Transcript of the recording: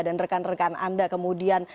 dan rekan rekan anda kemudian